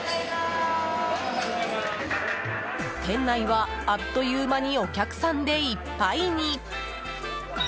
店内は、あっという間にお客さんでいっぱいに。